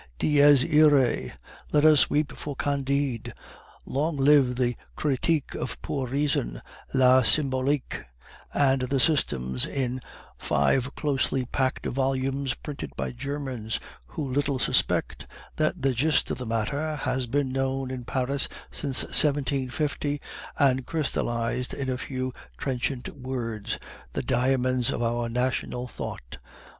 Dies iroe! Let us weep for Candide. Long live the Kritik of Pure Reason, La Symbolique, and the systems in five closely packed volumes, printed by Germans, who little suspect that the gist of the matter has been known in Paris since 1750, and crystallized in a few trenchant words the diamonds of our national thought.